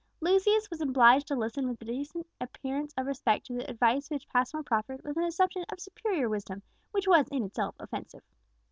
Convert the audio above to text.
Lucius was obliged to listen with a decent appearance of respect to the advice which Passmore proffered with an assumption of superior wisdom, which was in itself offensive.